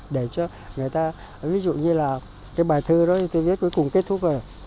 để cho người ta ví dụ như là cái bài thơ đó tôi viết cuối cùng kết thúc rồi